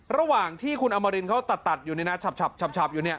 ระหว่างที่คุณอามรินเขาตัดอยู่นี่นะชับ